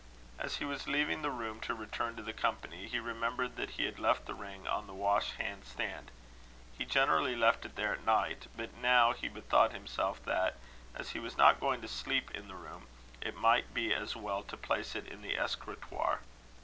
As he was leaving the room to return to the company, he remembered that he had left the ring on the washhand stand. He generally left it there at night; but now he bethought himself that, as he was not going to sleep in the room, it might be as well to place it in the escritoire.